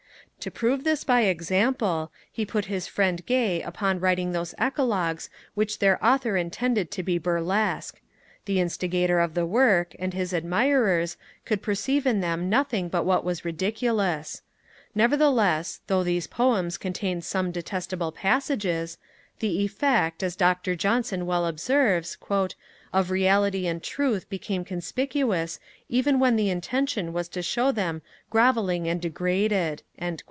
To prove this by example, he put his friend Gay upon writing those Eclogues which their author intended to be burlesque. The instigator of the work, and his admirers, could perceive in them nothing but what was ridiculous. Nevertheless, though these Poems contain some detestable passages, the effect, as Dr Johnson well observes, 'of reality and truth became conspicuous even when the intention was to show them grovelling and degraded.'